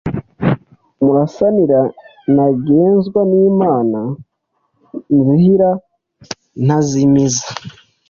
Murasanira ntagezwa Nimana Nzihira i Ntazimiza,